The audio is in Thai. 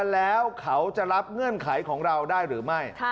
แล้วเขาจะรับเงื่อนไขของเราได้หรือไม่